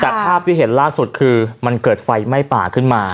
แต่ภาพที่เห็นล่าสุดคือมันเกิดไฟไหม้ป่าขึ้นมา